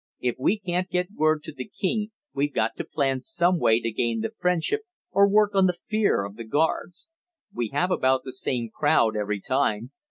If we can't get word to the king we've got to plan some way to gain the friendship, or work on the fear of the guards. We have about the same crowd every time.